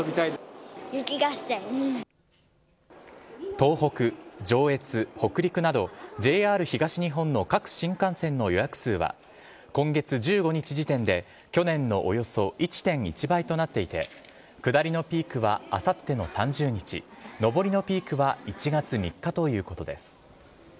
東北、上越、北陸などＪＲ東日本の各新幹線の予約数は今月１５日時点で去年のおよそ１．１倍となっていて下りのピークはあさっての３０日上りのピークは１月３日ということです。